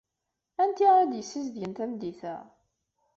Anti ara d-yessizedgen tameddit-a?